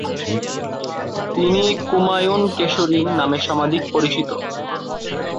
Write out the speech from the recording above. তিনি "কুমায়ুন কেশরী" নামে সমধিক পরিচিত।